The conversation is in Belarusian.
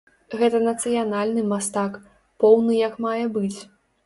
Гэта нацыянальны мастак, поўны як мае быць.